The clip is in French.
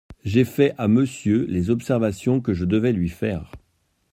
J’ai fait à Monsieur les observations que je devais lui faire…